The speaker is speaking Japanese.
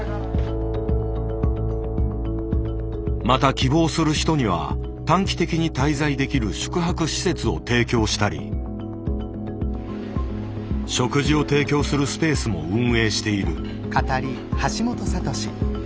また希望する人には短期的に滞在できる宿泊施設を提供したり食事を提供するスペースも運営している。